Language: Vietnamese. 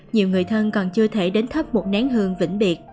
nhiều người thân còn chưa thể đến thắp một nén hương vĩnh biệt